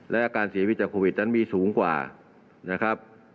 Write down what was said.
และการฉีดจากโควิดนั้นมีสูงกว่านะครับ